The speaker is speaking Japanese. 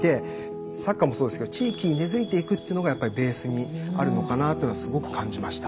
サッカーもそうですけど地域に根づいていくっていうのがやっぱりベースにあるのかなっていうのはすごく感じました。